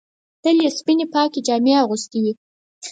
تل یې سپینې پاکې جامې اغوستې وې.